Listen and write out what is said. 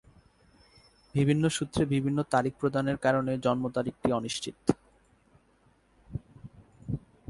বিভিন্ন সূত্রে বিভিন্ন তারিখ প্রদানের কারণে জন্ম তারিখটি অনিশ্চিত।